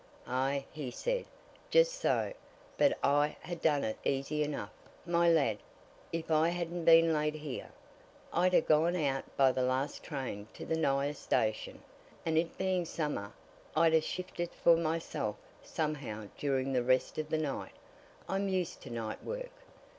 "Aye!" he said. "Just so but I'd ha' done it easy enough, my lad if I hadn't been laid here. I'd ha' gone out by the last train to the nighest station, and it being summer I'd ha' shifted for myself somehow during the rest of the night I'm used to night work.